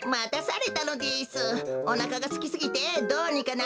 おなかがすきすぎてどうにかなりそうです。